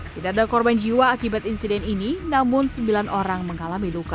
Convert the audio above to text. tidak ada korban jiwa akibat insiden ini namun sembilan orang mengalami luka